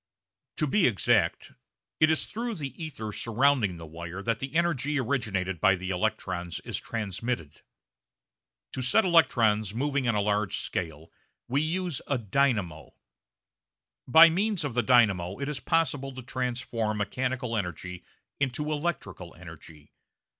To be exact, it is through the ether surrounding the wire that the energy originated by the electrons is transmitted. To set electrons moving on a large scale we use a "dynamo." By means of the dynamo it is possible to transform mechanical energy into electrical energy.